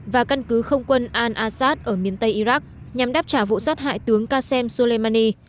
và căn cứ không quân al assad ở miền tây iraq nhằm đáp trả vụ sát hại tướng qsem soleimani